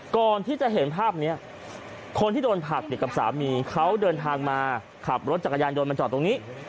ก่อนที่จะเห็นภาพนี้คนที่โดนผักกับสามีเขาเดินทางมาขับรถจักรยานยนต์มาจอดตรงนี้